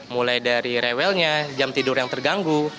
mulai dari rewelnya jam tidur yang terganggu